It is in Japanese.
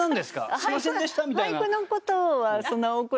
「すみませんでした」みたいな。